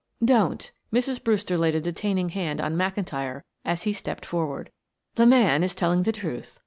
"Don't," Mrs. Brewster laid a detaining hand on McIntyre as he stepped forward. "The man is telling the truth.